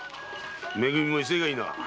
め組も威勢がいいな。